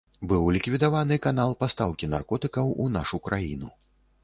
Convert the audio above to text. Быў ліквідаваны канал пастаўкі наркотыкаў у нашу краіну.